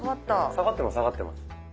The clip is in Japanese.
下がってます下がってます。